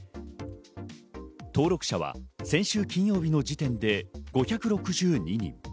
登録者は先週金曜日の時点で５６２人。